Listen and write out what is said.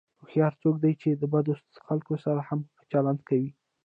هوښیار څوک دی چې د بدو خلکو سره هم ښه چلند کوي.